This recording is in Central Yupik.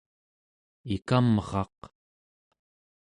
ikamraq